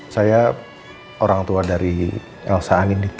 saya orang tua dari elsa aninita